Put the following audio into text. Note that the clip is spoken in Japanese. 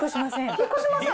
引っ越しません？